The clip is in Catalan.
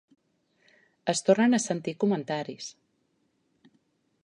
Es tornen a sentir comentaris.